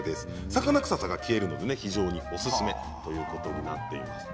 魚臭さが消えるので非常におすすめということになっています。